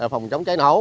phòng chống cháy nổ